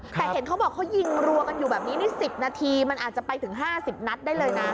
แต่เห็นเขาบอกเขายิงรัวกันอยู่แบบนี้นี่๑๐นาทีมันอาจจะไปถึง๕๐นัดได้เลยนะ